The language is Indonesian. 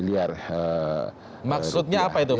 saya terkita tapi saya dakar acara